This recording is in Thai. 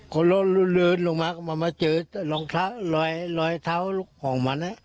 ก็ลดลืนลงมามาเจอรอยเท้าของมัน